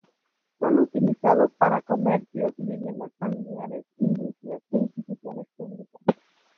Son utilizados para comercios, viviendas familiares, industrias e instituciones públicas.